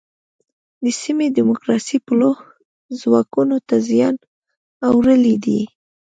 د سیمې دیموکراسي پلوو ځواکونو ته زیان اړولی دی.